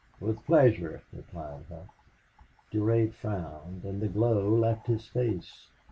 "With pleasure," replied Hough. Durade frowned and the glow left his face.